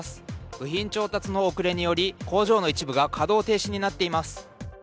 部品調達の遅れにより工場の一部が稼働停止になっています。